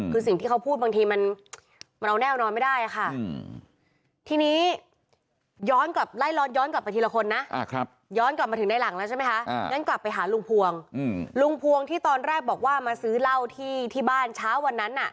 คือสิ่งที่เขาพูดบางทีมัน